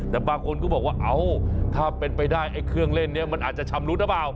แต่บางคนก็บอกว่าเอ้าถ้าเป็นไปได้ไอ้เครื่องเล่นนี้มันอาจจะชำรุดหรือเปล่า